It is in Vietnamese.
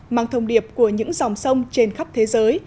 mang thông điệp của những dòng sông trên khắp thế giới